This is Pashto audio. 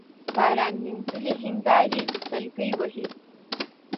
باران مينځلي هينداري سلګۍ وهي